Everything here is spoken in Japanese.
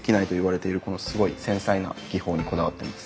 このすごい繊細な技法にこだわってます。